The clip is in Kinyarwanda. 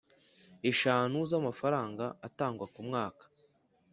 Eshanu z amafaranga atangwa ku mwaka